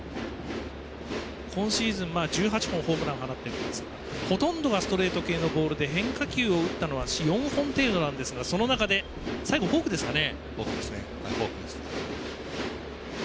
今シーズン、１８本ホームラン放っているんですがほとんどがストレート系のボールで変化球を打ったのは４本程度なんですがその中で、最後フォークでした。